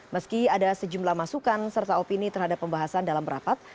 meski ada sejumlah masukan serta opini terhadap pembahasan dalam rapat